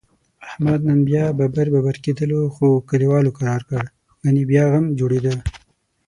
احمد نن بیا ببر ببر کېدلو، خو کلیوالو کرارکړ؛ گني بیا غم جوړیدا.